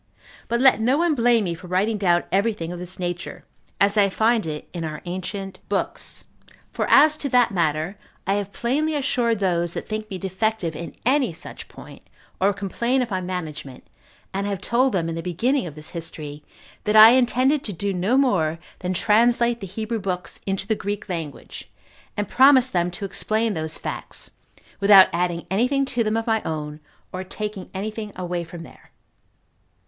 But let no one blame me for writing down every thing of this nature, as I find it in our ancient books; for as to that matter, I have plainly assured those that think me defective in any such point, or complain of my management, and have told them in the beginning of this history, that I intended to do no more than translate the Hebrew books into the Greek language, and promised them to explain those facts, without adding any thing to them of my own, or taking any thing away from there.